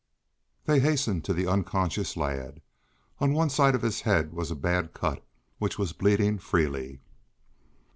They hastened to the unconscious lad. On one side of his head was a bad cut, which was bleeding freely.